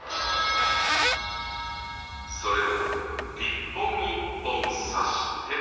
それを一本一本刺して。